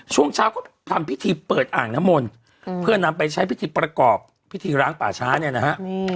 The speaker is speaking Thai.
ช่วงเช้าก็ทำพิธีเปิดอ่างน้ำมนต์เพื่อนำไปใช้พิธีประกอบพิธีร้างป่าช้าเนี่ยนะฮะ